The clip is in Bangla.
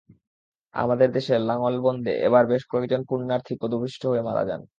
আমাদের দেশে লাঙ্গলবন্দে এবার বেশ কয়েকজন পুণ্যার্থী পদপিষ্ট হয়ে মারা যান।